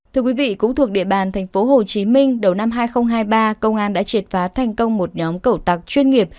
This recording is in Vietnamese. thưa quý vị cũng thuộc địa bàn tp hcm đầu năm hai nghìn hai mươi ba công an đã triệt phá thành công một nhóm cầu tạc chuyên nghiệp